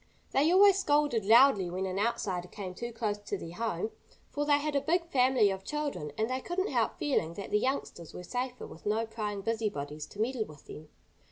They always scolded loudly when an outsider came too close to their home, for they had a big family of children, and they couldn't help feeling that the youngsters were safer with no prying busybodies to meddle with them.